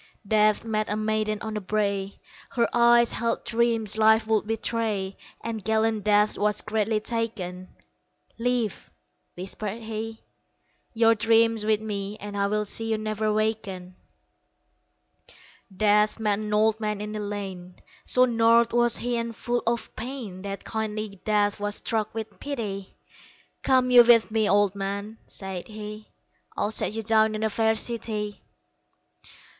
Death met a maiden on the brae, Her eyes held dreams life would betray, And gallant Death was greatly taken "Leave," whispered he, "Your dream with me And I will see you never waken." Death met an old man in a lane; So gnarled was he and full of pain That kindly Death was struck with pity "Come you with me, Old man," said he, "I'll set you down in a fair city."